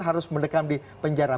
harus mendekam di penjara